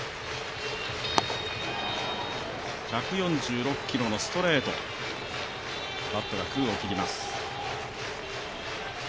１４６キロのストレート、バットが空を切ります。